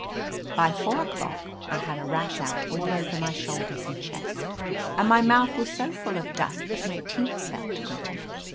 By four o'clock I had a rash out all over my shoulders and chest, and my mouth was so full of dust that my teeth felt gritty.